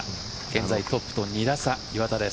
現在トップと２打差の岩田。